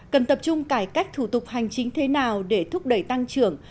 cần tập trung cải cách thủ tục hành chính thế nào để thúc đẩy tăng trưởng